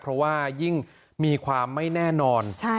เพราะว่ายิ่งมีความไม่แน่นอน